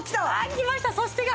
来ました「そして」が。